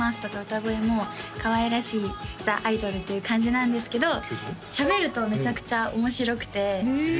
歌声もかわいらしいザ・アイドルっていう感じなんですけどしゃべるとめちゃくちゃ面白くてえ！